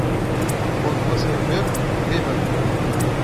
Enquanto você viver - viva!